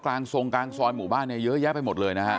กลางทรงกลางซ้อนหมู่บ้านเยอะแยะไปหมดเลยนะครับ